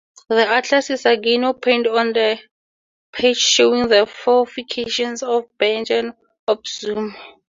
The atlas is again opened on the page showing the fortifications of Bergen-op-Zoom.